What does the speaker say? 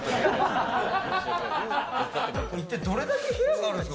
一体どれだけ部屋があるんですか？